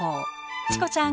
チコちゃん